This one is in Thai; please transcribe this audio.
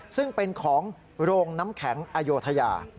ซึ่งเป็นของโรงน้ำแข็งอโยธยา